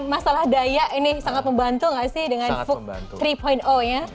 masalah daya ini sangat membantu gak sih dengan food tiga nya